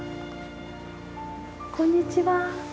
こんにちは。